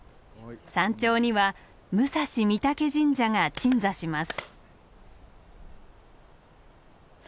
山頂には武蔵御嶽神社が鎮座します。